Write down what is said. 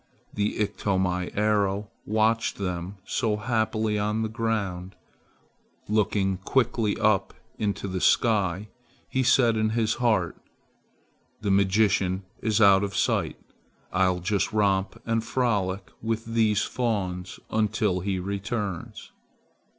The Iktomi arrow watched them so happy on the ground. Looking quickly up into the sky, he said in his heart, "The magician is out of sight. I'll just romp and frolic with these fawns until he returns.